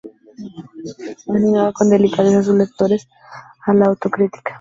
Animaba con delicadeza a sus lectores a la autocrítica.